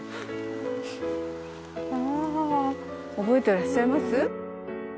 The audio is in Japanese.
覚えてらっしゃいます？